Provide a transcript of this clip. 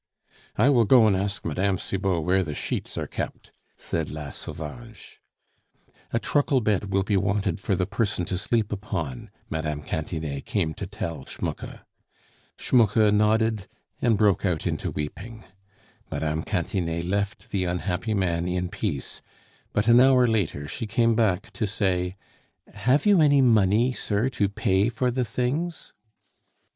"I will go and ask Mme. Cibot where the sheets are kept," said La Sauvage. "A truckle bed will be wanted for the person to sleep upon," Mme. Cantinet came to tell Schmucke. Schmucke nodded and broke out into weeping. Mme. Cantinet left the unhappy man in peace; but an hour later she came back to say: "Have you any money, sir, to pay for the things?"